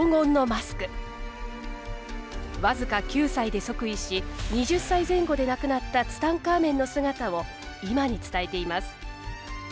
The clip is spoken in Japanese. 僅か９歳で即位し２０歳前後で亡くなったツタンカーメンの姿を今に伝えています。